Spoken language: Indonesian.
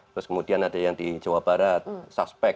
terus kemudian ada yang di jawa barat suspek